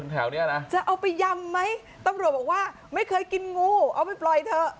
แถวนี้นะจะเอาไปยำไหมตำรวจบอกว่าไม่เคยกินงูเอาไปปล่อยเถอะ